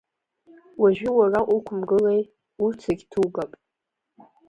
Уажәы уара уқәымгылеи, урҭ зегьы ҭугап…